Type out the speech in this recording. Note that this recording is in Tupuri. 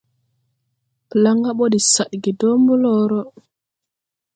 Plaŋga ɓɔ de sadge dɔɔ blɔɔrɔ.